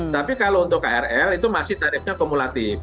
tapi kalau untuk krl itu masih tarifnya kumulatif